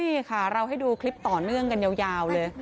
นี่ค่ะเราให้ดูคลิปต่อเนื่องกันยาวเลย